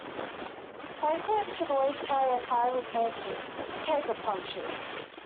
Cyclists should always carry a tyre-repair kit, in case of punctures